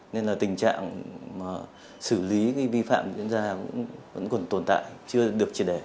nên là tình trạng xử lý cái vi phạm diễn ra vẫn còn tồn tại chưa được chỉ đề